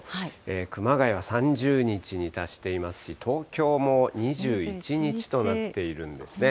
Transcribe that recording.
熊谷は３０日に達していますし、東京も２１日となっているんですね。